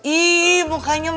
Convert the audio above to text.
ih mukanya merah